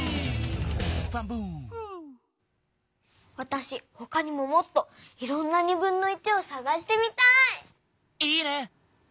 フウー！わたしほかにももっといろんなをさがしてみたい！いいね。